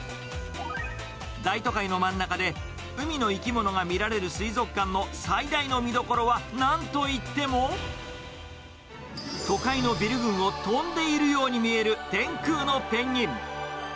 大都会の真ん中で、海の生き物が見られる水族館の最大の見どころは、なんといっても、都会のビル群を飛んでいるように見える天空のペンギン。